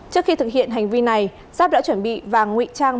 trước khi thực hiện hành vi này giáp đã chuẩn bị vàng nguy trang